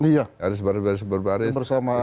iya harus bersama